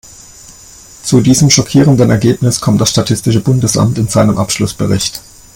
Zu diesem schockierenden Ergebnis kommt das statistische Bundesamt in seinem Abschlussbericht.